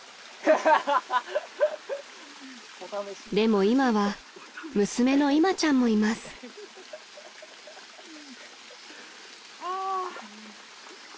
［でも今は娘のいまちゃんもいます］ハァ。